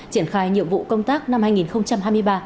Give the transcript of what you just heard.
triển khai nhiệm vụ công tác năm hai nghìn hai mươi ba